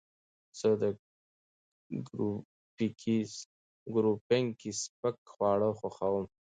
زه د کرپونکي سپک خواړه خوښوم.